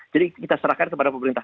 jadi kita serahkan kepada pemerintah